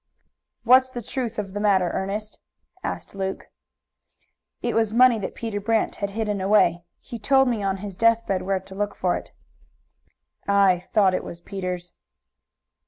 "What's the truth of the matter, Ernest?" asked Luke. "It was money that Peter Brant had hidden away. He told me on his death bed where to look for it." "I thought it was Peter's."